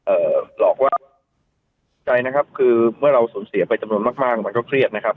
เอ่อหลอกว่าใจนะครับคือเมื่อเราสูญเสียไปจำนวนมากมากมันก็เครียดนะครับ